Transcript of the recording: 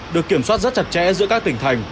được kiểm soát rất chặt chẽ giữa các tỉnh thành